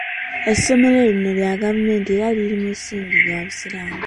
Essomero lino lya gavumenti era liri ku musingi gwa busiraamu.